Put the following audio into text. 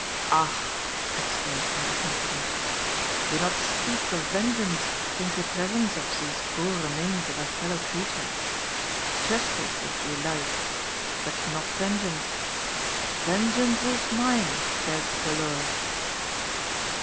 "Ach!" exclaimed Father Humperdinck, "do not speak of vengeance in ze bresence of zese boor remains of a fellow greature. Chustice if you laig, but not vengeance. 'Vengeance is mine, saiz ze Lordt!'"